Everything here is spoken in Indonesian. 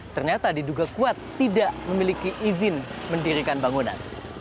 ternyata diduga kuat tidak memiliki izin mendirikan bangunan